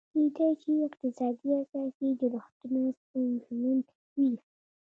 کېدای شي اقتصادي او سیاسي جوړښتونه ستونزمن وي.